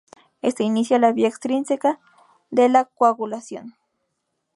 Éste inicia la vía extrínseca de la coagulación.